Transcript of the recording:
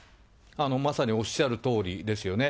まさにおっしゃるとおりですよね。